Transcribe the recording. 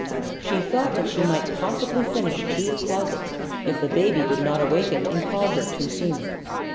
She thought that she might possibly finish two closets if the baby did not awaken and call her too soon.